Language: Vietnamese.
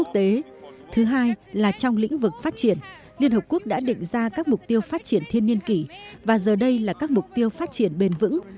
thứ hai là trong lĩnh vực phát triển liên hợp quốc đã định ra các mục tiêu phát triển thiên niên kỷ và giờ đây là các mục tiêu phát triển bền vững